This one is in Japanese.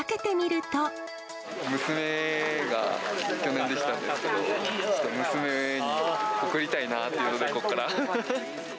娘が去年できたんですけど、ちょっと娘に送りたいなっていうので、ここから。